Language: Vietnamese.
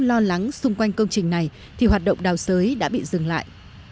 lo lắng xung quanh công trình này thì hoạt động đào sới đã bị dừng lại